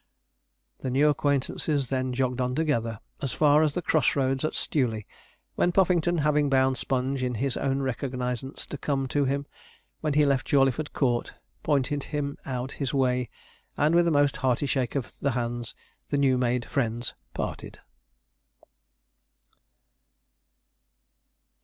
The new acquaintances then jogged on together as far as the cross roads at Stewley, when Puffington, having bound Sponge in his own recognizance to come to him when he left Jawleyford Court, pointed him out his way, and with a most hearty shake of the hands the new made friends parted.